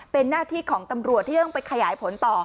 เป็นหน้าที่ของตำรวจที่ต้องไปขยายผลต่อ